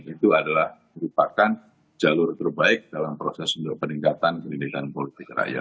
itu adalah merupakan jalur terbaik dalam proses untuk peningkatan pendidikan politik rakyat